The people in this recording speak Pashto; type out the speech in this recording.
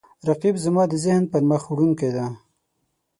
رقیب زما د ذهن پرمخ وړونکی دی